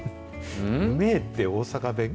うめえって、大阪弁？